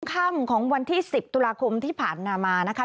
ข้างข้างของวันที่๑๐ตุลาคมที่ผ่านมานะคะ